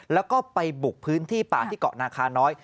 แล้วก็ไปบุกพื้นที่ป่าที่เกาะนาคาน้อย